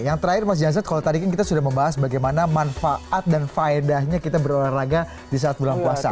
yang terakhir mas jansent kalau tadi kan kita sudah membahas bagaimana manfaat dan faedahnya kita berolahraga di saat bulan puasa